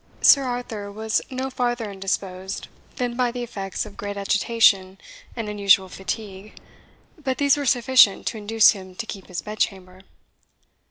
Sir Arthur was no farther indisposed than by the effects of great agitation and unusual fatigue, but these were sufficient to induce him to keep his bedchamber.